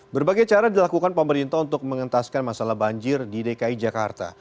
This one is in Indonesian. berbagai cara dilakukan pemerintah untuk mengentaskan masalah banjir di dki jakarta